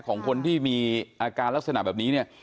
ของคนที่มีอาการลักษณะแบบนี้เนี่ย